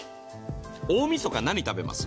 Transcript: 大みそか、何食べます？